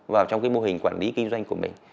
vào trong cái mô hình quản lý kinh doanh của mình